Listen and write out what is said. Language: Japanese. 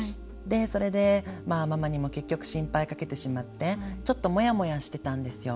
それでママにも結局心配かけてしまってちょっともやもやしてたんですよ。